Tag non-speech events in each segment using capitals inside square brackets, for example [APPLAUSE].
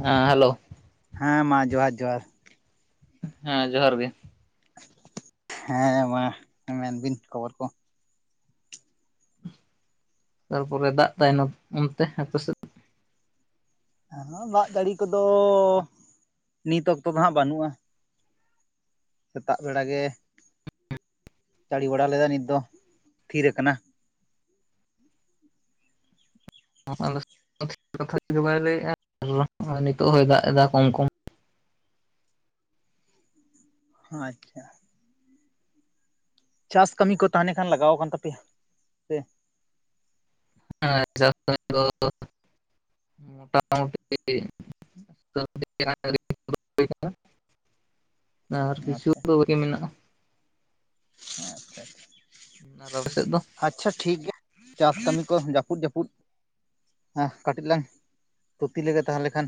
[INAUDIBLE] ᱦᱮᱸ ᱦᱮᱞᱳ᱾ ᱦᱮᱸ ᱢᱟ ᱡᱚᱦᱟᱨ ᱡᱚᱦᱟᱨ, ᱦᱮᱸ ᱡᱚᱦᱟᱨ ᱜᱮ᱾ ᱦᱮᱸ ᱢᱟ ᱢᱮᱱᱵᱤᱱ ᱠᱷᱚᱵᱚᱨ ᱠᱚ᱾ ᱛᱟᱨᱯᱚᱨᱮ ᱫᱟᱜ ᱛᱟᱭᱱᱚᱢ ᱚᱱᱛᱮ ᱦᱟᱯᱮ ᱥᱮᱫ ᱦᱮᱸ ᱟᱫᱚ ᱡᱟᱹᱲᱤ ᱠᱚᱫᱚ ᱱᱤᱛ ᱚᱠᱛᱚ ᱫᱚ ᱦᱟᱸᱜ ᱵᱟᱹᱱᱩᱜ-ᱟ᱾ ᱥᱮᱛᱟᱜ ᱵᱮᱲᱟ ᱜᱮ, ᱡᱟᱹᱲᱤ ᱵᱟᱲᱟ ᱞᱮᱫᱟᱭ ᱱᱤᱛ ᱫᱚ ᱛᱷᱤᱨ ᱟᱠᱟᱱᱟ᱾ ᱟᱞᱮ [INAUDIBLE] ᱵᱟᱭ ᱞᱟᱹᱭᱮᱫ-ᱟ [INAUDIBLE] ᱟᱨ ᱱᱤᱛᱚᱜ ᱦᱚᱭ ᱫᱟᱜ ᱮᱫᱟ ᱠᱚᱢ ᱠᱚᱢ᱾ ᱟᱪᱪᱷᱟ ᱪᱟᱥ ᱠᱟᱹᱢᱤ ᱠᱚ ᱛᱟᱦᱱᱮ ᱠᱷᱟᱱ ᱞᱟᱜᱟᱣ ᱟᱠᱟᱱ ᱛᱟᱯᱮᱭᱟ? ᱥᱮ ᱦᱮᱸ ᱪᱟᱥ ᱠᱟᱢᱤ ᱫᱚ ᱢᱳᱴᱟᱢᱩᱴᱤ᱾ [INAUDIBLE] ᱟᱨ ᱠᱤᱪᱷᱩ ᱟᱪᱪᱷᱟ ᱫᱚ ᱵᱟᱠᱤ ᱢᱮᱱᱟᱜ-ᱟ᱾ ᱦᱮᱸ ᱟᱪᱪᱷᱟ ᱟᱪᱪᱷᱟ, ᱟᱨ ᱟᱯᱮ ᱥᱮᱫ ᱫᱚ ᱟᱪᱪᱷᱟ ᱴᱷᱤᱠ ᱜᱮᱭᱟ ᱪᱟᱥ ᱠᱟᱹᱢᱤ ᱠᱚ ᱡᱟᱹᱯᱩᱫ ᱡᱟᱹᱯᱩᱫ ᱦᱮᱸ ᱠᱟᱹᱴᱤᱡ ᱞᱟᱝ ᱛᱷᱩᱛᱤ ᱞᱮᱜᱮ ᱛᱟᱦᱞᱮ ᱠᱷᱟᱱ᱾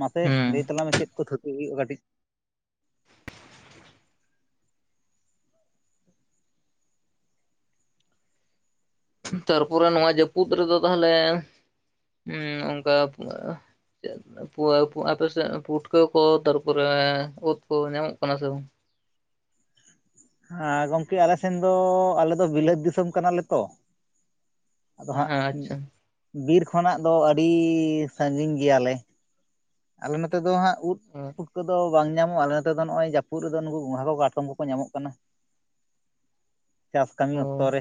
ᱢᱟᱥᱮ ᱦᱮᱸ ᱞᱟᱹᱭ ᱛᱟᱞᱟᱝ ᱢᱮ ᱪᱮᱫ ᱠᱚ ᱛᱷᱩᱛᱤ ᱦᱩᱭᱩᱜ-ᱟ ᱠᱟᱹᱴᱤᱡ? ᱛᱟᱨᱯᱚᱨᱮ ᱱᱚᱣᱟ ᱡᱟᱹᱯᱩᱫ ᱨᱮᱫᱚ ᱛᱟᱦᱞᱮ, ᱩᱸ ᱚᱱᱠᱟ ᱟᱻ ᱪᱮᱫ ᱯᱩᱣᱟ ᱟᱯᱮ ᱥᱮᱫ ᱯᱩᱴᱠᱟᱹ ᱠᱚ ᱛᱟᱨᱯᱚᱨᱮ ᱩᱫ ᱠᱚ ᱧᱟᱢᱚᱜ ᱠᱟᱱᱟ ᱥᱮ ᱵᱟᱝ? ᱦᱮᱸ ᱜᱚᱝᱠᱮ ᱟᱞᱮ ᱥᱮᱱ ᱫᱚ ᱟᱞᱮ ᱫᱚ ᱵᱤᱞᱟᱹᱛ ᱫᱤᱥᱚᱢ ᱠᱟᱱᱟᱞᱮ ᱛᱚ᱾ ᱟᱫᱚ ᱦᱟᱸᱜ ᱦᱮᱸ ᱟᱪᱪᱷᱟ ᱵᱤᱨ ᱠᱷᱚᱱᱟᱜ ᱫᱚ ᱟᱹᱰᱤ ᱥᱟᱺᱜᱤᱧ ᱜᱮᱭᱟᱞᱮ᱾ ᱟᱞᱮ ᱱᱚᱛᱮ ᱫᱚ ᱦᱟᱸᱜ ᱩᱫ, ᱯᱷᱩᱴᱠᱟᱹ ᱫᱚ ᱵᱟᱝ ᱧᱟᱢᱚᱜ-ᱟ ᱟᱞᱮ ᱱᱚᱛᱮ ᱫᱚ ᱱᱚᱜ-ᱚᱭ ᱡᱟᱹᱯᱩᱫ ᱨᱮᱫᱚ ᱱᱩᱠᱩ ᱜᱚᱝᱜᱷᱟ ᱠᱚ ᱠᱟᱴᱚᱢ ᱠᱚᱠᱚ ᱧᱟᱢᱚᱜ ᱠᱟᱱᱟ᱾ ᱪᱟᱥ ᱠᱟᱹᱢᱤ ᱚ ᱚᱠᱛᱚ ᱨᱮ᱾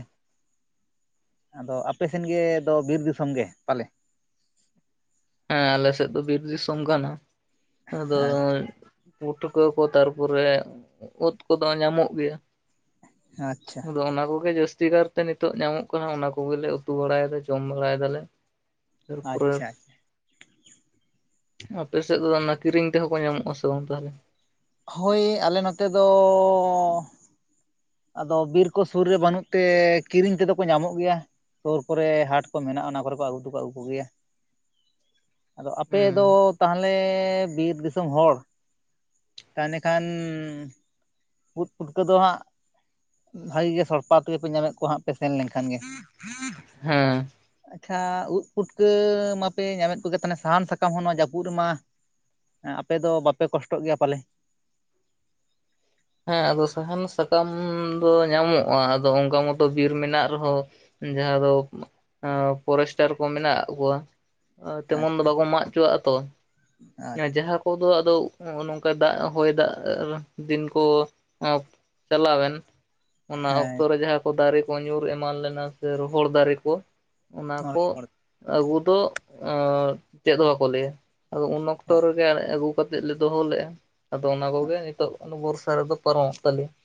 ᱟᱫᱚ ᱟᱯᱮ ᱥᱮᱱ ᱜᱮ ᱫᱚ ᱵᱤᱨ ᱫᱤᱥᱚᱢ ᱜᱮ ᱯᱟᱞᱮ? ᱦᱮᱸ ᱟᱞᱮ ᱥᱮᱫ ᱫᱚ ᱵᱤᱨ ᱫᱤᱥᱚᱢ ᱠᱟᱱᱟ ᱟᱫᱚ ᱟᱪᱪᱷᱟ ᱯᱩᱴᱷᱩᱠᱟᱹ ᱠᱚ ᱛᱟᱨᱯᱚᱨᱮ ᱳᱫ ᱠᱚ ᱫᱚ ᱧᱟᱢᱚᱜ ᱜᱮᱭᱟ᱾ ᱟᱪᱪᱷᱟ ᱟᱪᱪᱷᱟ ᱟᱫᱚ ᱚᱱᱟ ᱠᱚᱜᱮ ᱡᱟᱹᱥᱛᱤ ᱠᱟᱨ ᱛᱮ ᱱᱤᱛᱚᱜ ᱧᱟᱢᱚᱜ ᱠᱟᱱᱟ ᱚᱱᱟ ᱠᱚᱜᱮ ᱞᱮ ᱩᱛᱩ ᱵᱟᱲᱟᱭ ᱮᱫᱟ ᱡᱚᱢ ᱵᱟᱲᱟᱭ ᱫᱟᱞᱮ᱾ ᱛᱟᱨᱯᱚᱨᱮ ᱟᱪᱪᱷᱟ ᱟᱯᱮ ᱥᱮᱫ ᱫᱚ ᱚᱱᱟ ᱠᱤᱨᱤᱧ ᱛᱮᱦᱚᱸ ᱠᱚ ᱧᱟᱢᱚᱜ-ᱟ ᱥᱮ ᱵᱟᱝ ᱛᱟᱦᱚᱞᱮ? ᱦᱳᱭ ᱟᱞᱮ ᱱᱚᱛᱮ ᱫᱚᱻ ᱟᱫᱚ ᱵᱤᱨ ᱠᱚ ᱥᱩᱨ ᱨᱮ ᱵᱟᱹᱱᱩᱜ ᱛᱮ ᱠᱤᱨᱤᱧ ᱛᱮᱫᱚ ᱠᱚ ᱧᱟᱢᱚᱜ ᱜᱮᱭᱟ᱾ ᱥᱳᱨ ᱠᱚᱨᱮ ᱦᱟᱴ ᱠᱚ ᱢᱮᱱᱟᱜᱼᱟ ᱚᱱᱟ ᱠᱚᱨᱮ ᱠᱚ ᱟᱹᱜᱩ ᱫᱚᱠᱚ ᱟᱜᱩ ᱠᱚ ᱜᱮᱭᱟ᱾ [INAUDIBLE] ᱟᱫᱚ ᱟᱯᱮᱫᱚ ᱦᱮᱸ ᱛᱟᱦᱚᱞᱮ ᱵᱤᱨ ᱫᱤᱥᱚᱢ ᱦᱚᱲ ᱾ ᱛᱟᱱᱮ ᱠᱷᱟᱱ ᱩᱫ ᱯᱷᱩᱴᱠᱟᱹ ᱫᱚ ᱦᱟᱸᱜ ᱵᱷᱟᱜᱮ ᱜᱮ ᱥᱚᱲᱯᱟ ᱛᱮᱜᱮᱯᱮ ᱧᱟᱢᱮᱜ ᱠᱚᱣᱟ ᱦᱟᱸᱜ ᱯᱮ ᱥᱮᱱ ᱞᱮᱱᱠᱷᱟᱱ ᱜᱮ᱾ ᱦᱮᱸ ᱾ ᱟᱪᱪᱷᱟ ᱩᱫ ᱯᱩᱴᱠᱟᱹ ᱢᱟᱯᱮ ᱧᱟᱢᱮᱫ ᱠᱚᱜᱮ ᱛᱟᱦᱮ ᱥᱟᱦᱟᱱ ᱥᱟᱠᱟᱢ ᱦᱚᱸ ᱱᱚᱣᱟ ᱡᱟᱹᱯᱩᱫ ᱨᱮᱢᱟ ᱮᱸ ᱟᱯᱮ ᱫᱚ ᱵᱟᱯᱮ ᱠᱚᱥᱴᱚᱜ ᱜᱮᱭᱟ ᱯᱟᱞᱮ! ᱦᱮᱸ ᱟᱫᱚ ᱥᱟᱦᱟᱱ ᱥᱟᱠᱟᱢ ᱫᱚ ᱧᱟᱢᱚᱜᱼᱟ ᱟᱫᱚ ᱚᱝᱠᱟ ᱢᱚᱛᱚ ᱵᱤᱨ ᱢᱮᱱᱟᱜ ᱨᱮᱦᱚᱸ ᱡᱟᱦᱟᱸ ᱫᱚ ᱟᱸ ᱯᱚᱨᱮᱥᱴᱟᱨ ᱠᱚ ᱢᱮᱱᱟᱜ ᱠᱚᱣᱟ ᱟ ᱛᱮᱢᱚᱱ ᱫᱚ ᱟᱪᱪᱷᱟ ᱵᱟᱠᱚ ᱢᱟᱜ ᱪᱚᱣᱟᱜᱼᱟ ᱛᱚ, ᱟᱪᱪᱷᱟ ᱡᱟᱦᱟᱸ ᱠᱚᱫᱚ ᱟᱫᱚᱜ ᱦᱚᱜᱼᱚ ᱱᱚᱝᱠᱟ ᱫᱟᱜ ᱦᱚᱭ ᱫᱟᱜ [INAUDIBLE] ᱫᱤᱱ ᱠᱚ [INAUDIBLE] ᱪᱟᱞᱟᱣᱮᱱ ᱚᱱᱟ ᱚᱠᱛᱚ ᱦᱮᱸ ᱨᱮ ᱡᱟᱦᱟᱸ ᱠᱚ ᱫᱟᱨᱮ ᱠᱚ ᱧᱩᱨ ᱮᱢᱟᱱ ᱞᱮᱱᱟ ᱥᱮ ᱨᱚᱦᱚᱲ ᱫᱟᱨᱮ ᱠᱚ, ᱚᱱᱟ ᱢᱚᱬᱮ ᱠᱚ ᱦᱚᱲ ᱟᱹᱜᱩ ᱫᱚ ᱚᱸ ᱪᱮᱫᱦᱚ ᱵᱟᱠᱚ ᱞᱟᱹᱭᱟ ᱟᱫᱚ ᱩᱱ ᱚᱠᱛᱚ ᱦᱚᱸ ᱨᱮᱜᱮ ᱟᱹᱜᱩ ᱠᱟᱛᱮᱫ ᱞᱮ ᱫᱚᱦᱚ ᱞᱮᱜᱼᱟ ᱾ ᱟᱫᱚ ᱚᱱᱟ ᱦᱚᱸ ᱠᱚᱜᱮ ᱱᱤᱛᱚᱜ ᱵᱚᱨᱥᱟ ᱨᱮᱫᱚ ᱯᱟᱨᱚᱢᱚᱜ ᱛᱟᱞᱮᱭᱟ ᱾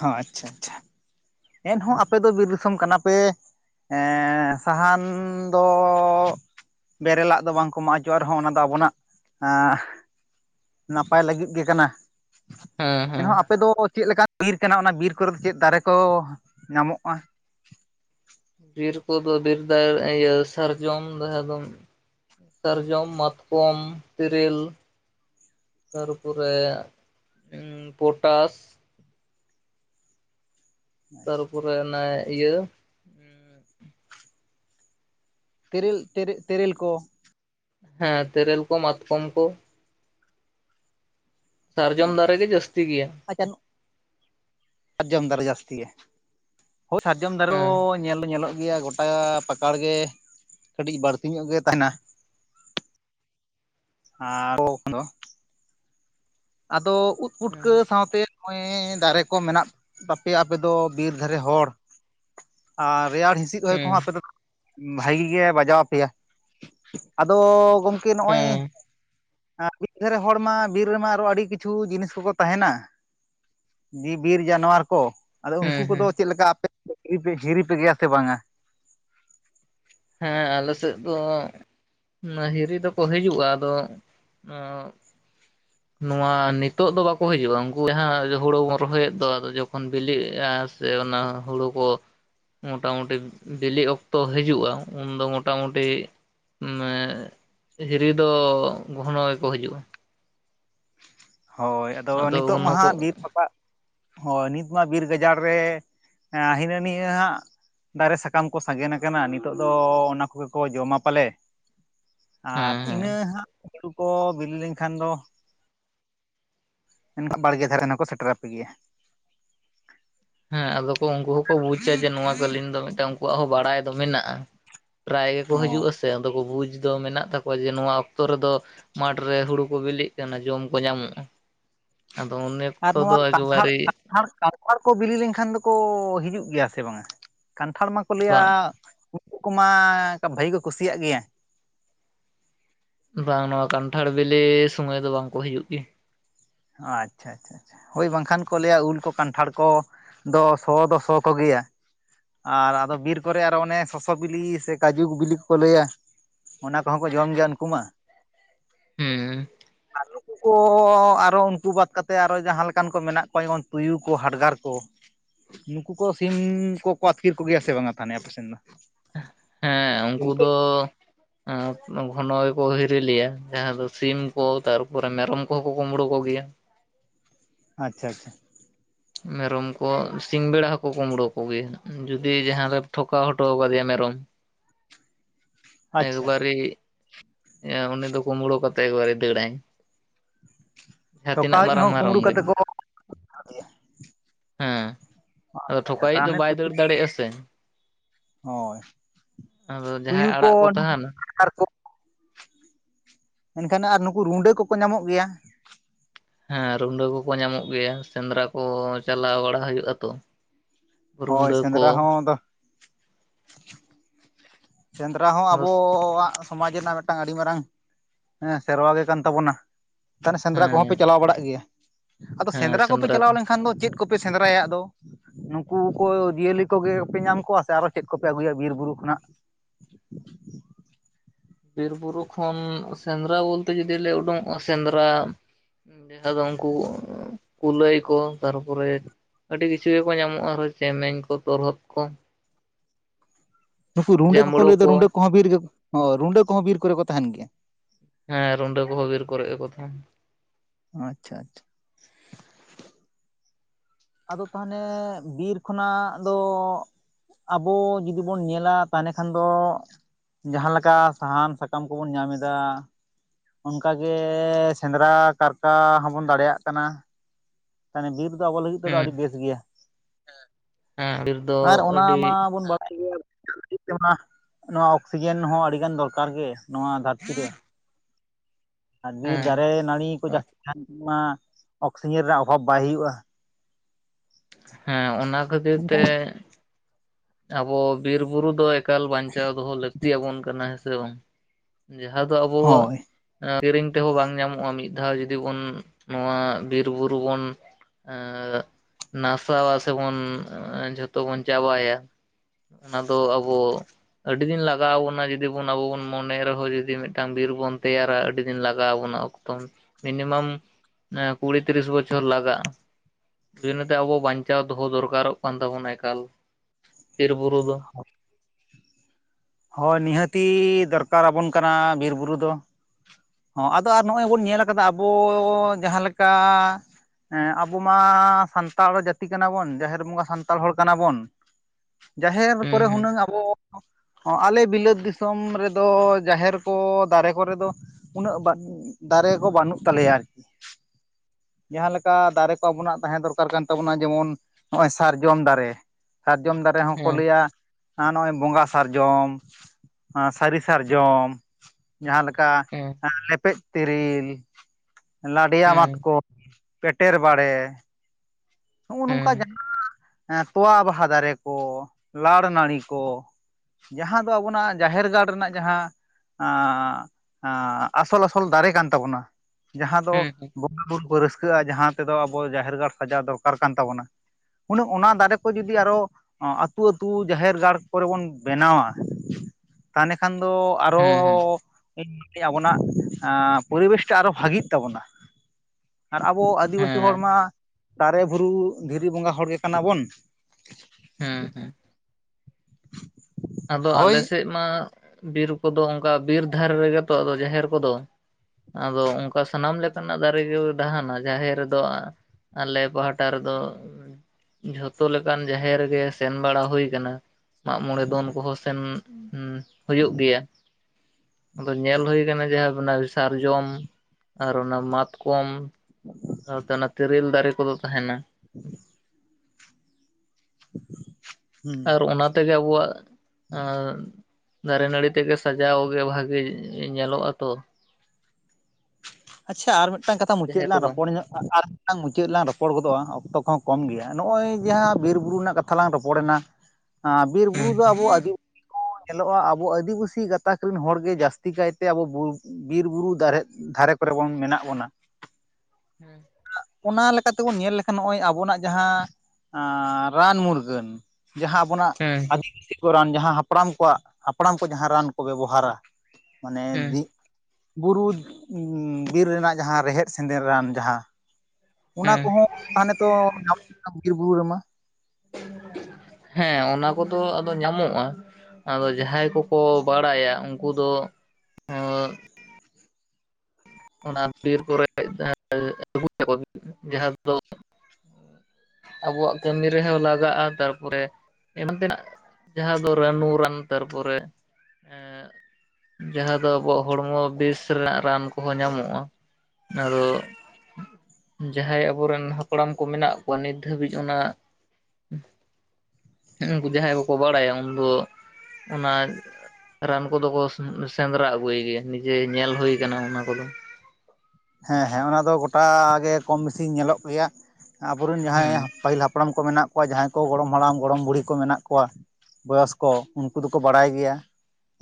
ᱦᱚᱸ ᱟᱪᱪᱷᱟ-ᱟᱪᱪᱷᱟ, ᱮᱱᱦᱚᱸ ᱟᱯᱮ ᱫᱚ ᱵᱤᱨ ᱫᱤᱥᱚᱢ ᱠᱟᱱᱟ ᱯᱮ ᱮᱸᱻ ᱥᱟᱦᱟᱱ ᱫᱚᱻ ᱵᱮᱨᱮᱞᱟᱜ ᱫᱚ ᱵᱟᱝ ᱠᱚ ᱢᱟᱜ ᱦᱚᱪᱚᱜᱣᱟᱜ ᱨᱮᱦᱚᱸ ᱚᱱᱟ ᱫᱚ ᱟᱵᱚᱱᱟᱜ ᱟᱸ ᱱᱟᱯᱟᱭ ᱞᱟᱹᱜᱤᱫ ᱜᱮ ᱠᱟᱱᱟ, ᱦᱮᱸ ᱦᱮᱸ ᱮᱱᱦᱚᱸ ᱟᱯᱮ ᱫᱚ ᱪᱮᱫᱞᱮᱠᱟ ᱵᱤᱨ ᱠᱟᱱᱟ ᱚᱱᱟ ᱵᱤᱨ ᱠᱚᱨᱮ ᱫᱚ ᱪᱮᱫ ᱫᱟᱨᱮ ᱠᱚ ᱧᱟᱢᱚᱜᱼᱟ? ᱵᱤᱨ ᱠᱚᱫᱚ ᱵᱤᱨ ᱫᱟᱨ ᱤᱭᱟᱹ ᱥᱟᱨᱡᱚᱢ ᱫᱚ ᱮᱠᱫᱚᱢ ᱥᱟᱨᱡᱚᱢ, ᱢᱟᱛᱠᱚᱢ, ᱛᱤᱨᱤᱞ, ᱛᱟᱨᱯᱚᱨᱮ ᱮᱢᱸ ᱯᱚᱴᱟᱥ ᱛᱟᱨᱯᱚᱨᱮ ᱚᱱᱟ ᱤᱭᱟᱹ ᱛᱮᱨᱤᱞ-ᱛᱮᱨᱤ-ᱛᱮᱨᱤᱞ ᱠᱚ᱾ ᱦᱮᱸ ᱛᱮᱨᱮᱞ ᱠᱚ ᱢᱟᱛᱠᱚᱢ ᱠᱚ᱾ ᱥᱟᱨᱡᱚᱢ ᱫᱟᱨᱮ ᱜᱮ ᱡᱟᱹᱥᱛᱤ ᱜᱮᱭᱟ᱾ ᱟᱪᱪᱷᱟ ᱥᱟᱨᱡᱚᱢ ᱫᱟᱨᱮ ᱡᱟᱹᱥᱛᱤ ᱜᱮ, ᱦᱳᱭ ᱥᱟᱨᱡᱚᱢ ᱫᱟᱨᱮ ᱫᱚ ᱦᱮᱸ ᱧᱮᱞ ᱫᱚ ᱧᱮᱞᱚᱜ ᱜᱮᱭᱟ ᱜᱚᱴᱟ ᱯᱟᱠᱟᱲ ᱜᱮ ᱠᱟᱹᱴᱤᱡ ᱵᱟᱹᱲᱛᱤ ᱧᱚᱜ ᱜᱮ ᱛᱟᱦᱮᱱᱟ᱾ ᱟᱸᱻ [UNINTELLIGIBLE] ᱟᱫᱚ ᱩᱫ ᱦᱮᱸ ᱯᱩᱴᱠᱟᱹ ᱥᱟᱶᱛᱮ ᱚᱸᱭᱮ ᱫᱟᱨᱮ ᱠᱚ ᱢᱮᱱᱟᱜ ᱛᱟᱯᱮᱭᱟ ᱟᱯᱮ ᱫᱚ ᱵᱤᱨ ᱫᱷᱟᱨᱮ ᱦᱚᱲ ᱾ ᱟᱨ ᱨᱮᱭᱟᱲ ᱦᱤᱸᱥᱤᱫ [INAUDIBLE] ᱦᱮᱸ ᱠᱚᱦᱚᱸ ᱟᱯᱮ ᱫᱚ ᱵᱷᱟᱹᱜᱤ ᱜᱮ ᱵᱟᱡᱟᱣ ᱟᱯᱮᱭᱟ ᱾ ᱟᱫᱚ ᱜᱚᱝᱠᱮ ᱱᱚᱜᱼᱚᱭ ᱦᱮᱸ ᱵᱤᱨ ᱫᱷᱟᱨᱮ ᱦᱚᱲ ᱢᱟ ᱵᱤᱨ ᱨᱮᱢᱟ ᱟᱨᱚ ᱟᱹᱰᱤ ᱠᱤᱪᱷᱩ ᱡᱤᱱᱤᱥ ᱠᱚᱠᱚ ᱛᱟᱦᱮᱱᱟ ᱡᱤ ᱵᱤᱨ ᱡᱟᱱᱣᱟᱨ ᱠᱚ ᱾ ᱟᱫᱚ ᱩᱱᱠᱩ ᱠᱚᱫᱚ ᱦᱮᱸ ᱪᱮᱫ ᱞᱮᱠᱟ ᱟᱯᱮ [INAUDIBLE] ᱦᱤᱨᱤ ᱯᱮ ᱦᱤᱨᱤ ᱯᱮ ᱜᱮᱭᱟ ᱥᱮ ᱵᱟᱝᱟ? ᱦᱮᱸ ᱟᱞᱮ ᱥᱮᱫ ᱫᱚ ᱦᱤᱨᱤ ᱫᱚᱠᱚ ᱦᱤᱡᱩᱜᱼᱟ, ᱟᱫᱚ ᱱᱚᱣᱟ ᱱᱚᱣᱟ ᱱᱤᱛᱳᱜ ᱫᱚ ᱵᱟᱠᱚ ᱦᱤᱡᱩᱜᱼᱟ ᱩᱱᱠᱩ ᱡᱟᱦᱟᱸ ᱦᱳᱲᱳ ᱵᱚᱱ ᱨᱚᱦᱚᱭᱮᱫ ᱫᱚ ᱟᱫᱚ ᱡᱚᱠᱷᱚᱱ ᱵᱤᱞᱤᱜᱼᱟ ᱥᱮ ᱚᱱᱟ ᱦᱳᱲᱳ ᱠᱚ ᱾ ᱢᱚᱴᱟᱢᱚᱴᱤ ᱵᱮᱞᱮᱜ ᱚᱠᱛᱚ ᱦᱤᱡᱩᱜᱼᱟ ᱩᱱᱫᱚ ᱢᱚᱴᱟᱢᱩᱴᱤ ᱢᱮᱸ ᱦᱤᱨᱤ ᱫᱚ ᱜᱷᱚᱱᱚ ᱜᱮᱠᱚ ᱦᱤᱡᱩᱜᱼᱟ ᱾ ᱦᱳᱭ ᱟᱫᱚ ᱱᱤᱛᱚᱜ ᱩᱱ ᱢᱟ ᱦᱚᱸᱠᱚ ᱦᱟᱸᱜ ᱵᱤᱨ ᱯᱟᱯᱟ ᱦᱚᱭ ᱱᱤᱛ ᱢᱟ ᱵᱤᱨ ᱜᱟᱡᱟᱲ ᱨᱮ ᱟᱸ ᱦᱤᱱᱟᱹ ᱱᱤᱭᱟᱹ ᱦᱟᱸᱜ ᱫᱟᱨᱮ ᱥᱟᱠᱟᱢ ᱠᱚ ᱥᱟᱜᱮᱱ ᱟᱠᱟᱱᱟ ᱱᱤᱛᱳᱜ ᱫᱚ ᱚᱱᱟ ᱠᱚᱜᱮ ᱠᱚ ᱡᱚᱢᱟ ᱯᱟᱞᱮ? ᱟᱨ ᱦᱮᱸ ᱦᱮᱸ ᱤᱱᱟᱹ ᱦᱟᱸᱜ ᱩᱞ ᱠᱚ ᱵᱤᱞᱤ ᱞᱮᱱᱠᱷᱟᱱ ᱫᱚ ᱢᱮᱱᱠᱷᱟ ᱵᱟᱲᱜᱮ ᱫᱷᱟᱨᱮᱱ ᱦᱚᱸᱠᱚ ᱥᱮᱴᱮᱨ ᱟᱯᱮ ᱜᱮᱭᱟ᱾ ᱦᱮᱸ ᱟᱫᱚ ᱠᱚ ᱩᱱᱠᱩ ᱦᱚᱸᱠᱚ ᱵᱩᱡᱟ ᱡᱮ ᱱᱚᱣᱟ ᱠᱟᱹᱞᱤᱱ ᱫᱚ ᱢᱤᱫᱴᱟᱝ ᱩᱱᱠᱩᱣᱟᱜ ᱦᱚᱸ ᱵᱟᱲᱟᱭ ᱫᱚ ᱢᱮᱱᱟᱜ-ᱟ᱾ ᱯᱨᱟᱭ ᱜᱮᱠᱚ ᱚ ᱦᱤᱡᱩᱜ-ᱟ ᱥᱮ ᱟᱫᱚ ᱠᱚ ᱵᱩᱡᱽ ᱫᱚ ᱢᱮᱱᱟᱜ ᱛᱟᱠᱚᱣᱟ ᱡᱮ ᱱᱚᱣᱟ ᱚᱠᱛᱚ ᱨᱮᱫᱚ ᱢᱟᱴ ᱨᱮ ᱦᱩᱲᱩ ᱠᱚ ᱵᱤᱞᱤᱜ ᱠᱟᱱᱟ ᱡᱚᱢ ᱠᱚ ᱧᱟᱢᱚᱜ-ᱟ᱾ ᱟᱫᱚ ᱩᱱᱮ ᱚᱠᱛᱚ ᱫᱚ ᱮᱠᱮᱵᱟᱨᱮ ᱛᱷᱟᱸᱲ ᱠᱟᱱᱛᱷᱟᱲ ᱠᱚ ᱵᱤᱞᱤ ᱞᱤᱱᱠᱷᱟᱱ ᱫᱚᱠᱚ ᱦᱤᱡᱩᱜ ᱜᱮᱭᱟ ᱥᱮ ᱵᱟᱝᱟ ᱠᱟᱱᱴᱷᱟᱲ ᱢᱟ ᱠᱚ ᱞᱟᱹᱭᱟ ᱵᱟᱝ ᱩᱱᱠᱩ ᱠᱚᱢᱟ ᱵᱷᱟᱹᱜᱤ ᱠᱚ ᱠᱩᱥᱤᱭᱟᱜ ᱜᱮᱭᱟ᱾ ᱵᱟᱝ ᱱᱚᱣᱟ ᱠᱟᱱᱴᱷᱟᱲ ᱵᱮᱞᱮ ᱥᱩᱢᱟᱹᱭ ᱫᱚ ᱵᱟᱝᱠᱚ ᱦᱤᱡᱩᱜ ᱜᱮᱭᱟ᱾ ᱚᱻ ᱟᱪᱷᱟ ᱟᱪᱷᱟ᱾ ᱦᱳᱭ ᱵᱟᱝᱠᱷᱟᱱ ᱠᱚ ᱞᱟᱹᱭᱟ ᱩᱞ ᱠᱚ ᱠᱟᱱᱴᱷᱟᱲ ᱠᱚ ᱫᱚ ᱥᱚ ᱫᱚ ᱥᱚ ᱠᱚᱜᱮᱭᱟ᱾ ᱟᱨ ᱟᱫᱚ ᱵᱤᱨ ᱠᱚᱨᱮ ᱟᱨᱚ ᱚᱱᱮ ᱥᱚᱥᱚ ᱵᱤᱞᱤ ᱥᱮ ᱠᱟᱡᱩ ᱵᱤᱞᱤ ᱠᱚᱠᱚ ᱞᱟᱹᱭᱟ ᱚᱱᱟ ᱠᱚᱦᱚᱸ ᱠᱚ ᱡᱚᱢ ᱜᱮᱭᱟ ᱩᱱᱠᱩ ᱢᱟ᱾ ᱦᱩᱸ᱾ ᱱᱩᱠᱩ ᱠᱚ ᱟ ᱨᱚ ᱩᱱᱠᱩ ᱵᱟᱫ ᱠᱟᱛᱮ ᱟᱨᱚ ᱡᱟᱦᱟᱸ ᱞᱮᱠᱟᱱ ᱠᱚ ᱢᱮᱱᱟᱜ ᱠᱚᱣᱟ ᱡᱮᱢᱚᱱ ᱛᱩᱭᱩ ᱠᱚ ᱦᱟᱰᱜᱟᱨ ᱠᱚ᱾ ᱱᱩᱠᱩ ᱠᱚ ᱥᱤᱢ ᱠᱚᱠᱚ ᱟᱹᱛᱠᱤᱨ ᱠᱚᱜᱮᱭᱟ ᱥᱮ ᱵᱟᱝᱟ ᱛᱷᱟᱱᱮ ᱟᱯᱮ ᱥᱮᱱ ᱫᱚ? ᱦᱮᱸ ᱩᱱᱠᱩ ᱫᱚ ᱜᱷᱚᱱᱚ ᱜᱮᱠᱚ ᱦᱤᱨᱤᱞᱮᱭᱟ ᱡᱟᱦᱟᱸ ᱫᱚ ᱥᱤᱢ ᱠᱚ ᱛᱟᱨᱯᱚᱨᱮ ᱢᱮᱨᱚᱢ ᱠᱚᱦᱚᱸ ᱠᱚ ᱠᱩᱢᱵᱽᱲᱩ ᱠᱚᱜᱮᱭᱟ᱾ ᱟᱪᱪᱷᱟ ᱟᱪᱪᱷᱟ᱾ ᱢᱮᱨᱚᱢ ᱠᱚ ᱥᱤᱝ ᱵᱮᱲᱟ ᱦᱚᱸᱠᱚ ᱠᱩᱢᱲᱩ ᱠᱚᱜᱮᱭᱟ ᱡᱩᱫᱤ ᱡᱟᱦᱟᱸ ᱨᱮᱢ ᱴᱷᱚᱠᱟᱣ ᱦᱚᱴᱚ ᱠᱟᱫᱮᱭᱟ ᱢᱮᱨᱚᱢ᱾ ᱟᱪᱪᱷᱟ ᱮᱠᱵᱟᱨᱮ ᱩᱱᱤ ᱫᱚ ᱠᱳᱢᱲᱳ ᱠᱟᱛᱮ ᱮᱠᱵᱟᱨᱮ ᱫᱟᱹᱲᱟᱭ᱾ ᱡᱟᱦᱟ ᱛᱤᱱᱟᱹᱜ ᱴᱷᱚᱠᱟᱣᱤᱡ ᱢᱟᱨᱟᱝ ᱦᱚᱸ ᱢᱮᱨᱚᱢ ᱠᱩᱢᱵᱽᱲᱩ ᱜᱮ᱾ ᱠᱟᱛᱮ ᱠᱚ ᱟᱪᱪᱷᱟ ᱦᱮᱸ ᱟᱫᱚ ᱟᱪᱪᱷᱟ ᱴᱷᱚᱠᱟᱹᱣᱤᱡ ᱫᱚ ᱛᱟᱦᱚᱞᱮ ᱵᱟᱭ ᱫᱟᱹᱲ ᱫᱟᱲᱮᱜ-ᱟ ᱥᱮ᱾ ᱦᱚᱭ ᱟᱫᱚ ᱡᱟᱦᱟᱸᱭ ᱛᱩᱭᱩ ᱠᱚ ᱟᱲᱟᱜ ᱛᱟᱦᱮᱱᱟ ᱟᱨᱠᱚ ᱮᱱᱠᱷᱟᱱ ᱟᱨ ᱱᱩᱠᱩ ᱨᱩᱸᱰᱟᱹ ᱠᱚᱠᱚ ᱧᱟᱢᱚᱜ ᱜᱮᱭᱟ? ᱦᱮᱸ ᱨᱩᱸᱰᱟᱹ ᱠᱚᱠᱚ ᱧᱟᱢᱚᱜ ᱜᱮᱭᱟ ᱥᱮᱸᱫᱽᱨᱟ ᱠᱚ ᱪᱟᱞᱟᱣ ᱵᱟᱲᱟᱜ ᱦᱩᱭᱩᱜ-ᱟ ᱛᱚ᱾ ᱦᱳᱭ ᱨᱩᱰᱟᱹ ᱠᱚ ᱥᱮᱸᱫᱽᱨᱟ ᱦᱚᱸ ᱟᱫᱚ ᱥᱮᱸᱫᱽᱨᱟ ᱦᱚᱸ ᱟᱵᱚᱣᱟᱜ ᱥᱚᱢᱟᱡᱽ ᱨᱮᱱᱟᱜ ᱢᱤᱫᱴᱟᱝ ᱟᱹᱰᱤ ᱢᱟᱨᱟᱝ ᱥᱮᱨᱣᱟ ᱜᱮ ᱠᱟᱱ ᱛᱟᱵᱚᱱᱟ᱾ [INAUDIBLE] ᱥᱮᱸᱫᱽᱨᱟ ᱠᱚᱦᱚᱸ ᱯᱮ ᱦᱮᱸ ᱪᱟᱞᱟᱣ ᱵᱟᱲᱟᱜ ᱜᱮᱭᱟ ᱟᱫᱚ ᱦᱮᱸ ᱥᱮᱸᱫᱽᱨᱟ ᱠᱚᱯᱮ ᱪᱟᱞᱟᱣ ᱠᱚ ᱞᱮᱱᱠᱷᱟᱱ ᱫᱚ ᱪᱮᱫ ᱠᱚᱯᱮ ᱥᱮᱸᱫᱽᱨᱟᱭᱟ ᱟᱫᱚ? ᱱᱩᱠᱩ ᱠᱚ ᱡᱤᱭᱟᱹᱞᱤ ᱠᱚᱜᱮᱯᱮ ᱧᱟᱢ ᱠᱚᱣᱟ ᱥᱮ ᱟᱨᱚ ᱪᱮᱫ ᱠᱚᱯᱮ ᱟᱹᱜᱩᱭᱟ ᱵᱤᱨ ᱵᱩᱨᱩ ᱠᱷᱚᱱᱟᱜ? [INAUDIBLE] ᱵᱤᱨᱵᱩᱨᱩ ᱠᱷᱚᱱ ᱥᱮᱸᱫᱽᱨᱟ ᱵᱚᱞᱛᱮ ᱡᱚᱫᱤ ᱞᱮ ᱳᱸᱰᱝᱚᱜ-ᱟ ᱥᱮᱸᱫᱽᱨᱟ ᱡᱟᱦᱟᱸ ᱫᱚ ᱩᱱᱠᱩ ᱠᱩᱞᱟᱹᱭ ᱠᱚ ᱛᱟᱨᱯᱚᱨᱮ ᱟᱹᱰᱤ ᱠᱤᱪᱷᱩ ᱜᱮᱠᱚ ᱧᱟᱢᱚᱜ-ᱟ ᱟᱨᱚ ᱪᱮᱢᱮᱧ ᱠᱚ ᱛᱚᱨᱦᱚᱫ ᱠᱚ᱾ ᱱᱩᱠᱩ ᱨᱩᱰᱟᱹ ᱠᱚᱠᱚ ᱡᱟᱸᱵᱽᱲᱳ ᱞᱟᱹᱭᱫᱚ ᱠᱚ ᱨᱩᱰᱟᱹ ᱠᱚᱦᱚᱸ ᱵᱤᱨ ᱨᱮᱜᱮ, ᱨᱩᱰᱟᱹ ᱠᱚᱦᱚᱸ ᱵᱤᱨ ᱠᱚᱨᱮ ᱠᱚ ᱛᱟᱦᱮᱱ ᱜᱮᱭᱟ? ᱦᱮᱸ ᱨᱩᱰᱟᱹ ᱠᱚᱦᱚᱸ ᱵᱤᱨ ᱠᱚᱨᱮᱜ ᱜᱮᱠᱚ ᱛᱟᱦᱮᱸᱱᱟ᱾ ᱟᱪᱪᱷᱟ ᱟᱪᱪᱷᱟ᱾ ᱟᱫᱚ ᱛᱟᱦᱟᱞᱮ ᱵᱤᱨ ᱠᱷᱚᱱᱟᱜ ᱫᱚ ᱟᱵᱚ ᱡᱩᱫᱤ ᱵᱚᱱ ᱧᱮᱞᱟ ᱛᱟᱦᱱᱮ ᱠᱷᱟᱱ ᱫᱚ ᱡᱟᱦᱟᱸ ᱞᱮᱠᱟ ᱥᱟᱦᱟᱱ ᱥᱟᱠᱟᱢ ᱠᱚᱵᱚᱱ ᱧᱟᱢᱮᱫᱟ ᱚᱱᱠᱟ ᱜᱮ ᱥᱮᱸᱫᱽᱨᱟ ᱠᱟᱨᱠᱟ ᱦᱚᱸᱵᱚᱱ ᱫᱟᱲᱮᱭᱟᱜ ᱠᱟᱱᱟ᱾ ᱛᱟᱦᱚᱞᱮ ᱵᱤᱨ ᱫᱚ ᱟᱵᱳ ᱞᱟᱜᱤᱫ ᱛᱮᱫᱚ ᱦᱮᱸ ᱟᱹᱰᱤ ᱵᱮᱥ ᱜᱮᱭᱟ᱾ ᱦᱮᱸ ᱵᱤᱨ ᱫᱚ ᱟᱨ ᱚᱱᱟ ᱟᱹᱰᱤ ᱢᱟ ᱵᱚᱱ ᱵᱟᱲ [UNINTELLIGIBLE] ᱱᱚᱣᱟ ᱚᱠᱥᱤᱡᱮᱱ ᱦᱚᱸ ᱟᱹᱰᱤ ᱜᱟᱱ ᱫᱚᱨᱠᱟᱨ ᱜᱮ ᱱᱚᱣᱟ ᱫᱷᱟᱨᱛᱤ ᱨᱮ ᱾ ᱟᱨ ᱵᱤᱨ ᱦᱮᱸ ᱫᱟᱨᱮ ᱱᱟᱹᱲᱤᱸ ᱠᱚ ᱡᱟᱥ [UNINTELLIGIBLE] ᱢᱟ ᱚᱠᱥᱤᱡᱮᱱ ᱨᱮᱱᱟᱜ ᱚᱵᱷᱟᱵ ᱵᱟᱭ ᱦᱩᱭᱩᱜ-ᱟ ᱾ ᱦᱮᱸ ᱚᱱᱟ ᱠᱷᱟᱹᱛᱤᱨ ᱛᱮ ᱢᱮᱱᱠᱷᱟᱱ ᱟᱵᱚ ᱵᱤᱨ ᱵᱩᱨᱩ ᱫᱚ ᱮᱠᱟᱞ ᱵᱟᱧᱪᱟᱣ ᱫᱚᱦᱚ ᱞᱟᱹᱠᱛᱤᱭ ᱟᱵᱚᱱ ᱠᱟᱱᱟ ᱦᱮᱸᱥᱮ ᱵᱟᱝ? ᱡᱟᱦᱟᱸ ᱫᱚ ᱟᱵᱚᱣᱟᱜ ᱦᱳᱭ ᱠᱤᱨᱤᱧ ᱛᱮᱦᱚᱸ ᱵᱟᱝ ᱧᱟᱢᱚᱜ-ᱟ ᱢᱤᱫ ᱫᱷᱟᱣ ᱡᱩᱫᱤ ᱵᱚᱱ ᱱᱚᱣᱟ ᱵᱤᱨ ᱵᱩᱨᱩ ᱵᱚᱱ ᱱᱟᱥᱟᱣᱟ ᱥᱮᱵᱚᱱ ᱡᱷᱚᱛᱚ ᱵᱚᱱ ᱪᱟᱵᱟᱭᱟ ᱚᱱᱟ ᱫᱚ ᱟᱵᱚ ᱟᱹᱰᱤ ᱫᱤᱱ ᱞᱟᱜᱟᱣ ᱵᱚᱱᱟ ᱡᱩᱫᱤ ᱵᱚᱱ ᱟᱵᱚ ᱵᱚᱱ ᱢᱚᱱᱮᱭ ᱨᱮᱦᱚᱸ ᱡᱩᱫᱤ ᱢᱤᱫᱴᱟᱝ ᱵᱤᱨ ᱵᱚᱱ ᱛᱮᱭᱟᱨᱟ ᱟᱹᱰᱤ ᱫᱤᱱ ᱞᱟᱜᱟᱣ ᱵᱚᱱᱟ ᱾ ᱢᱤᱱᱤᱢᱟᱢ ᱠᱩᱲᱤ ᱛᱤᱨᱤᱥ ᱵᱚᱪᱷᱚᱨ ᱞᱟᱜᱟᱜ-ᱟ ᱾ [INAUDIBLE] ᱟᱵᱚ ᱵᱟᱧᱪᱟᱣ ᱫᱚᱦᱚ ᱫᱚᱨᱠᱟᱨᱚᱜ ᱠᱟᱱ ᱛᱟᱵᱚᱱᱟ ᱮᱠᱟᱞ ᱾ ᱵᱤᱨ ᱵᱩᱨᱩ ᱫᱚ [UNINTELLIGIBLE] ᱦᱳᱭ ᱱᱤᱦᱟᱹᱛᱤ ᱫᱚᱨᱠᱟᱨ ᱟᱵᱚᱱ ᱠᱟᱱᱟ ᱵᱤᱨ ᱵᱩᱨᱩ ᱫᱚ᱾ ᱦᱚᱸ ᱟᱫᱚ ᱟᱨ ᱱᱚᱜ-ᱚᱭ ᱵᱚᱱ ᱧᱮᱞᱟᱠᱟᱫᱟ ᱟᱵᱚ ᱡᱟᱦᱟᱸ ᱞᱮᱠᱟ ᱦᱮᱸ ᱟᱵᱚ ᱢᱟ ᱥᱟᱱᱛᱟᱲ ᱡᱟᱛᱤ ᱠᱟᱱᱟ ᱵᱚᱱ ᱡᱟᱦᱮᱨ ᱵᱚᱸᱜᱟ ᱥᱟᱱᱛᱟᱲ ᱦᱚᱲ ᱠᱟᱱᱟ ᱵᱚᱱ ᱾ ᱡᱟᱦᱮᱨ ᱦᱩᱸ ᱠᱚᱨᱮ ᱦᱩᱸ ᱦᱩᱱᱟᱹᱝ ᱟᱵᱚ ᱦᱚᱸ ᱟᱞᱮ ᱵᱤᱞᱟᱹᱛ ᱫᱤᱥᱚᱢ ᱨᱮᱫᱚ ᱡᱟᱦᱮᱨ ᱠᱚ ᱫᱟᱨᱮ ᱠᱚᱨᱮ ᱫᱚ ᱵᱟᱹᱱᱩᱜ ᱫᱟᱨᱮ ᱠᱚ ᱵᱟᱹᱱᱩᱜ ᱛᱟᱞᱮᱭᱟ ᱟᱨᱠᱤ ᱡᱟᱦᱟᱸ ᱞᱮᱠᱟ ᱫᱟᱨᱮ ᱠᱚ ᱟᱵᱚᱱᱟᱜ ᱛᱟᱦᱮᱸ ᱫᱚᱨᱠᱟᱨ ᱠᱟᱱ ᱛᱟᱵᱚᱱᱟ ᱡᱮᱢᱚᱱ ᱱᱚᱜ-ᱚᱭ ᱥᱟᱨᱡᱚᱢ ᱫᱟᱨᱮ ᱾ ᱥᱟᱨᱡᱚᱢ ᱫᱟᱨᱮ ᱦᱚᱸᱠᱚ ᱦᱮᱸ ᱞᱟᱹᱭᱟ ᱱᱚᱜ-ᱚᱭ ᱵᱚᱸᱜᱟ ᱥᱟᱨᱡᱚᱢ ᱥᱟᱨᱤ ᱥᱟᱨᱡᱚᱢ ᱡᱟᱦᱟᱸ ᱞᱮᱠᱟ ᱦᱮᱸ ᱞᱮᱯᱮᱡ ᱛᱤᱨᱤᱞ ᱞᱟᱰᱮᱭᱟ ᱦᱮᱸ ᱢᱟᱛᱠᱚ ᱯᱮᱴᱮᱨ ᱵᱟᱲᱮ ᱱᱚᱜ-ᱚ ᱦᱮᱸ ᱱᱚᱝᱠᱟ ᱡᱟᱦᱟᱸ ᱛᱚᱣᱟ ᱵᱟᱦᱟ ᱫᱟᱨᱮ ᱠᱚ ᱞᱟᱲ ᱱᱟᱬᱤ ᱠᱚ ᱡᱟᱦᱟᱸ ᱫᱚ ᱟᱵᱚᱱᱟᱜ ᱡᱟᱦᱮᱨ ᱜᱟᱲ ᱨᱮᱱᱟᱜ ᱡᱟᱦᱟᱸ ᱟᱸ ᱟᱸ ᱟᱥᱚᱞ ᱟᱥᱚᱞ ᱫᱟᱨᱮ ᱠᱟᱱ ᱛᱟᱵᱚᱱᱟ ᱡᱟᱦᱟᱸ ᱫᱚ ᱦᱮᱸ ᱦᱮᱸ ᱵᱚᱸᱜᱟ ᱵᱩᱨᱩ ᱠᱚ ᱨᱟᱹᱥᱠᱟᱹᱜ-ᱟ, ᱡᱟᱦᱟᱸ ᱛᱮᱫᱚ ᱟᱵᱚᱣᱟᱜ ᱡᱟᱦᱮᱨ ᱜᱟᱲ ᱥᱟᱡᱟᱣ ᱫᱚᱨᱠᱟᱨ ᱠᱟᱱ ᱛᱟᱵᱚᱱᱟ ᱩᱱᱟᱹᱜ ᱚᱱᱟ ᱫᱟᱨᱮ ᱠᱚ ᱡᱩᱫᱤ ᱟᱨᱚ ᱟᱹᱛᱩ ᱟᱹᱛᱩ ᱡᱟᱦᱮᱨ ᱜᱟᱲ ᱠᱚᱨᱮ ᱵᱚᱱ ᱵᱮᱱᱟᱣᱟ ᱛᱟᱱᱮ ᱠᱷᱟᱱ ᱫᱚ ᱟᱨᱚ ᱦᱮᱸ ᱤᱢᱱᱤᱛᱮ ᱟᱵᱚᱱᱟᱜ ᱯᱚᱨᱤᱵᱮᱥ ᱴᱟᱜ ᱟᱨᱚ ᱵᱷᱟᱜᱤᱜ ᱛᱟᱵᱚᱱᱟ᱾ ᱟᱨ ᱟᱵᱚ ᱟᱹᱫᱤᱵᱟᱹᱥᱤ ᱦᱚᱲ ᱦᱮᱸ ᱢᱟ ᱫᱟᱨᱮ ᱵᱩᱨᱩ ᱫᱷᱤᱨᱤ ᱵᱚᱸᱜᱟ ᱦᱚᱲ ᱜᱮ ᱠᱟᱱᱟ ᱵᱚᱱ᱾ ᱦᱮᱸ ᱦᱮᱸ᱾ ᱟᱫᱚ ᱟᱞᱮ ᱦᱳᱭ ᱥᱮᱫ ᱢᱟ ᱵᱤᱨ ᱠᱚᱫᱚ ᱚᱱᱠᱟ ᱵᱤᱨ ᱫᱷᱟᱨᱮ ᱨᱮᱜᱮ ᱛᱚ ᱟᱫᱚ ᱡᱟᱦᱮᱨ ᱠᱚᱫᱚ᱾ ᱟᱫᱚ ᱚᱱᱠᱟ ᱥᱟᱱᱟᱢ ᱞᱮᱠᱟᱱᱟᱜ ᱫᱟᱨᱮ ᱜᱮ ᱛᱟᱦᱮᱱᱟ ᱡᱟᱦᱮᱨ ᱨᱮᱫᱚ᱾ ᱟᱞᱮ ᱯᱟᱦᱴᱟ ᱨᱮᱫᱚ ᱡᱷᱚᱛᱚ ᱞᱮᱠᱟᱱ ᱡᱟᱦᱮᱨ ᱜᱮ ᱥᱮᱱ ᱵᱟᱲᱟ ᱦᱳᱭ ᱠᱟᱱᱟ ᱾ ᱢᱟᱜᱢᱚᱬᱮ ᱫᱚᱱ ᱠᱚᱦᱚᱸ ᱥᱮᱱ ᱦᱩᱭᱩᱜ ᱜᱮᱭᱟ᱾ ᱟᱫᱚ ᱧᱮᱞ ᱦᱳᱭ ᱟᱠᱟᱱᱟ ᱡᱟᱦᱟᱸ ᱚᱱᱟ ᱥᱟᱨᱡᱚᱢ ᱟᱨ ᱚᱱᱟ ᱢᱟᱛᱠᱚᱢ ᱥᱟᱶᱛᱮ ᱚᱱᱟ ᱛᱮᱨᱮᱞ ᱫᱟᱨᱮ ᱠᱚᱫᱚ ᱛᱟᱦᱮᱱᱟ ᱾ [UNINTELLIGIBLE] ᱦᱩᱸ ᱟᱨ ᱚᱱᱟ ᱛᱮᱜᱮ ᱟᱵᱚᱣᱟᱜ ᱫᱟᱨᱮ ᱱᱟᱹᱲᱤ ᱛᱮᱜᱮ ᱥᱟᱡᱟᱣᱜ ᱜᱮ ᱵᱷᱟᱜᱤ ᱧᱮᱞᱚᱜ-ᱟ ᱛᱚ᱾ [INAUDIBLE] ᱟᱪᱪᱷᱟ ᱟᱨ ᱢᱮᱫᱴᱟᱝ ᱠᱟᱛᱷᱟ ᱢᱩᱪᱟᱹᱫ ᱡᱟᱦᱮᱨ ᱨᱮᱞᱟᱝ ᱠᱚᱫᱚ ᱨᱚᱯᱚᱲ ᱧᱚᱜ ᱟᱨ ᱢᱤᱫᱴᱟᱝ ᱢᱩᱪᱟᱹᱫ ᱨᱮᱞᱟᱝ ᱨᱚᱯᱚᱲ ᱜᱚᱫᱚᱜ-ᱟ ᱚᱠᱛᱚ ᱠᱚᱦᱚᱸ ᱠᱚᱢ ᱜᱮᱭᱟ ᱱᱚᱜ-ᱚᱭ ᱡᱟᱦᱟᱸ ᱵᱤᱨ-ᱵᱩᱨᱩ ᱨᱮᱱᱟᱜ ᱠᱟᱛᱷᱟ ᱞᱟᱝ ᱨᱚᱯᱚᱲᱮ ᱱᱟ᱾ [INAUDIBLE] ᱦᱟᱸ ᱵᱤᱨ-ᱵᱩᱨᱩ ᱦᱩᱸ ᱫᱚ ᱟᱵᱚ ᱟᱹᱫᱤ [INAUDIBLE] ᱧᱮᱞᱚᱜ-ᱟ ᱟᱵᱚ ᱟᱹᱫᱤᱵᱟᱹᱥᱤ ᱜᱟᱛᱟᱠ ᱨᱮᱱ ᱦᱚᱲᱜᱮ ᱡᱟᱹᱥᱛᱤ ᱠᱟᱭᱛᱮ ᱟᱵᱚ ᱵᱳᱞ ᱵᱤᱨ-ᱵᱩᱨᱩ ᱫᱟᱨᱮ ᱫᱷᱟᱨᱮ ᱠᱚᱨᱮ ᱵᱚᱱ ᱢᱮᱱᱟᱜ ᱵᱚᱱᱟ᱾ ᱦᱩᱸ᱾ ᱚᱱᱟ ᱞᱮᱠᱟ ᱛᱮᱵᱚᱱ ᱧᱮᱞ ᱞᱮᱠᱷᱟᱱ ᱱᱚᱜ-ᱚᱭ ᱟᱵᱚᱱᱟᱜ ᱡᱟᱦᱟᱸ ᱟᱻ ᱨᱟᱱ ᱢᱩᱨᱜᱟᱹᱱ᱾ ᱡᱟᱦᱟᱸ ᱟᱵᱚᱱᱟᱜ᱾ ᱦᱮᱸ, ᱟᱹᱫᱤᱵᱟᱹᱥᱤ ᱠᱚ ᱨᱟᱱ ᱡᱟᱦᱟᱸ ᱦᱟᱯᱲᱟᱢ ᱠᱚᱣᱟᱜ ᱦᱟᱯᱲᱟᱢ ᱠᱚ ᱡᱟᱦᱟᱸ ᱨᱟᱱ ᱠᱚ ᱵᱮᱵᱚᱦᱟᱨᱟ᱾ ᱢᱟᱱᱮ ᱦᱩᱸ ᱫᱤ ᱵᱩᱨᱩ ᱩᱸ ᱵᱤᱨ ᱨᱮᱱᱟᱜ ᱡᱟᱦᱟᱸ ᱨᱮᱦᱮᱫ ᱥᱮᱸᱫᱮᱨ ᱨᱟᱱ ᱡᱟᱦᱟᱸ᱾ ᱚᱱᱟ ᱦᱩᱸ ᱠᱚᱦᱚᱸ [UNINTELLIGIBLE] ᱦᱮᱸ ᱚᱱᱟ ᱠᱚᱫᱚ ᱟᱫᱚ ᱧᱟᱢᱚᱜ-ᱟ᱾ ᱟᱫᱚ ᱡᱟᱦᱟᱸᱭ ᱠᱚᱠᱚ ᱵᱟᱲᱟᱭᱟ ᱩᱱᱠᱩ ᱫᱚ ᱦᱚ ᱚᱱᱟ ᱵᱤᱨ ᱠᱚᱨᱮ [UNINTELLIGIBLE] ᱡᱟᱦᱟᱸ ᱫᱚ᱾ ᱟᱵᱚᱣᱟᱜ ᱠᱟᱹᱢᱤ ᱨᱮᱦᱚᱸ ᱞᱟᱜᱟᱜ-ᱟ, ᱛᱟᱨᱯᱚᱨᱮ ᱮᱢᱟᱱ ᱛᱮᱱᱟᱜ᱾ ᱡᱟᱦᱟᱸ ᱫᱚ ᱨᱟᱹᱱᱩ ᱨᱟᱱ ᱛᱟᱨᱯᱚᱨᱮ᱾ ᱡᱟᱦᱟᱸ ᱫᱚ ᱟᱵᱚᱣᱟᱜ ᱦᱚᱲᱢᱚ ᱵᱮᱥ ᱨᱮᱱᱟᱜ ᱨᱟᱱ ᱠᱚᱦᱚᱸ ᱧᱟᱢᱚᱜ-ᱟ᱾ ᱚᱱᱟ ᱫᱚ, ᱡᱟᱦᱟᱸᱭ ᱟᱵᱚᱨᱮᱱ ᱦᱟᱯᱲᱟᱢ ᱠᱚ ᱢᱮᱱᱟᱜ ᱠᱚᱣᱟ ᱱᱤᱛ ᱫᱷᱟᱹᱵᱤᱡ ᱚᱱᱟ᱾ ᱩᱱᱠᱩ ᱡᱟᱦᱟᱸᱭ ᱠᱚ ᱠᱚ ᱵᱟᱲᱟᱭᱟ ᱩᱱ ᱫᱚ ᱚᱱᱟ ᱨᱟᱱ ᱠᱚᱫᱚ ᱠᱚ ᱥᱮᱸᱫᱽᱨᱟ ᱟᱹᱜᱩᱭ ᱜᱮᱭᱟ ᱱᱤᱡᱮ ᱧᱮᱞ ᱦᱩᱭ ᱟᱠᱟᱱᱟ ᱚᱱᱟ ᱠᱚᱫᱚ᱾ ᱦᱮᱸ ᱦᱮᱸ ᱚᱱᱟ ᱫᱚ ᱜᱚᱴᱟ ᱜᱮ ᱠᱚᱢ ᱵᱮᱥᱤ ᱧᱮᱞᱚᱜ ᱜᱮᱭᱟ, ᱟᱵᱚᱨᱮᱱ ᱡᱟᱦᱟᱸᱭ ᱦᱩᱸ ᱯᱟᱹᱦᱤᱞ ᱦᱟᱯ ᱦᱟᱯᱲᱟᱢ ᱠᱚ ᱢᱮᱱᱟᱜ ᱠᱚᱣᱟ ᱡᱟᱦᱟᱸᱭ ᱠᱚ ᱜᱚᱲᱚᱢ ᱦᱟᱲᱟᱢ ᱜᱚᱲᱚᱢ ᱵᱩᱲᱦᱤ ᱠᱚ ᱢᱮᱱᱟᱜ ᱠᱚᱣᱟ᱾ ᱵᱚᱭᱚᱥᱠᱚ ᱩᱱᱠᱩ ᱫᱚᱠᱚ ᱵᱟᱲᱟᱭ ᱜᱮᱭᱟ᱾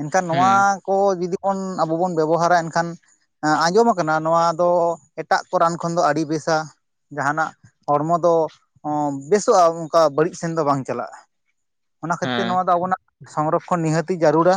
ᱮᱱᱠᱷᱟᱱ ᱱᱚᱣᱟ ᱦᱩᱸ ᱠᱚ ᱡᱩᱫᱤ ᱵᱚᱱ ᱟᱵᱚ ᱵᱚᱱ ᱵᱮᱵᱚᱦᱟᱨᱟ ᱮᱱᱠᱷᱟᱱ ᱟᱸᱡᱚᱢ ᱟᱠᱟᱱᱟ ᱱᱚᱣᱟ ᱫᱚ ᱮᱴᱟᱜ ᱠᱚ ᱨᱟᱱ ᱠᱷᱚᱱ ᱫᱚ ᱟᱹᱰᱤ ᱵᱮᱥᱟ᱾ ᱡᱟᱦᱟᱸᱱᱟᱜ ᱦᱚᱲᱢᱚ ᱫᱚ ᱚ ᱵᱮᱥᱚᱜ-ᱟ ᱚᱱᱠᱟ ᱵᱟᱹᱲᱤᱡ ᱥᱮᱱ ᱫᱚ ᱵᱟᱝ ᱪᱟᱞᱟᱜ-ᱟ᱾ ᱚᱱᱟ ᱠᱷᱟᱹᱛᱤᱨ ᱛᱮ ᱦᱮᱸ ᱱᱚᱣᱟ ᱫᱚ ᱟᱵᱚᱱᱟᱜ ᱥᱚᱝᱨᱚᱠᱠᱷᱚᱱ ᱱᱤᱦᱟᱹᱛᱤ ᱡᱟᱹᱨᱩᱲᱟ᱾